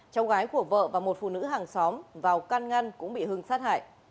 cháu gái của vợ và một phụ nữ hàng xóm vào can ngăn cũng bị hưng sát hại